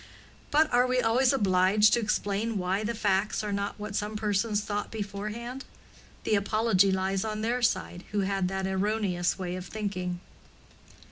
But are we always obliged to explain why the facts are not what some persons thought beforehand? The apology lies on their side, who had that erroneous way of thinking.